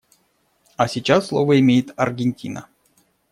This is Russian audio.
А сейчас слово имеет Аргентина.